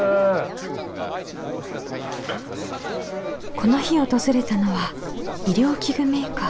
この日訪れたのは医療器具メーカー。